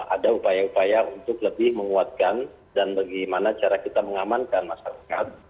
ada upaya upaya untuk lebih menguatkan dan bagaimana cara kita mengamankan masyarakat